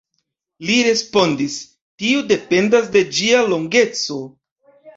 Li respondis: Tio dependas de ĝia longeco.